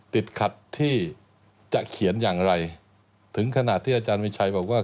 ติดขัดที่จะเขียนอย่างไรถึงขนาดที่อาจารย์มีชัยบอกว่า